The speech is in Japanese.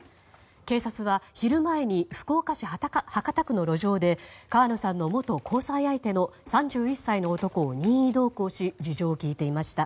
警察は昼前に福岡市博多区の路上で川野さんの元交際相手の３１歳の男を任意同行し事情を聴いていました。